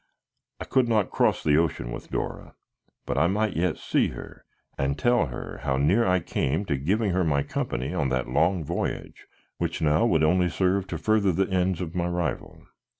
I could not cross the ocean with Dora, but I might yet see her and tell her how near I came to giving her my company on that long voyage which now would only serve to further the ends of my rival.